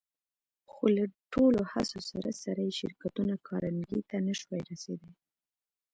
خو له ټولو هڅو سره سره يې شرکتونه کارنګي ته نه شوای رسېدای.